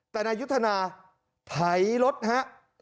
แต่นายุทธนาไถรถฮะ